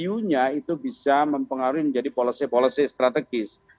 new nya itu bisa mempengaruhi menjadi policy policy strategis